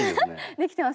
できてますか？